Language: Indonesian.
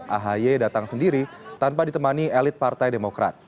ahy datang sendiri tanpa ditemani elit partai demokrat